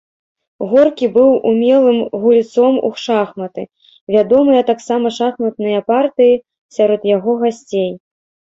Горкі быў умелым гульцом у шахматы, вядомыя таксама шахматныя партыі сярод яго гасцей.